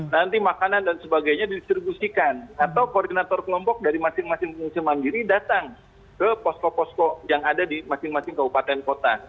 nanti makanan dan sebagainya didistribusikan atau koordinator kelompok dari masing masing pengungsi mandiri datang ke posko posko yang ada di masing masing kabupaten kota